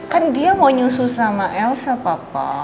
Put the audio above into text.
kan dia mau nyusu sama elsa papa